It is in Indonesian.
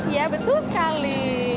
iya betul sekali